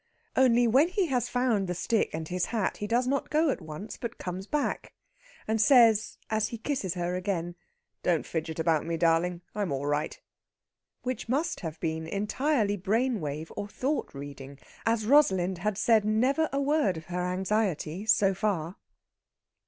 Only, when he has found the stick and his hat, he does not go at once, but comes back, and says, as he kisses her again: "Don't fidget about me, darling; I'm all right." Which must have been entirely brain wave or thought reading, as Rosalind had said never a word of her anxiety, so far.